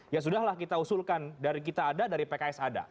ya sudahlah kita usulkan dari kita ada dari pks ada